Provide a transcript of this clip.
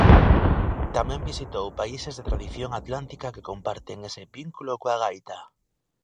Tamén visitou países de tradición atlántica que comparten ese vínculo coa gaita.